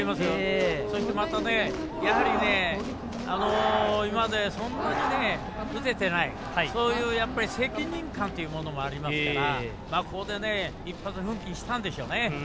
そしてまた今まで、そんな打ててないそういう責任感というものもありますからここで一発奮起したんでしょうね。